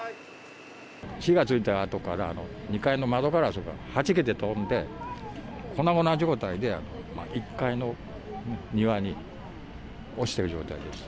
火がついたあとから、２階の窓ガラスがはじけて飛んで、粉々状態で、１階の庭に落ちている状態です。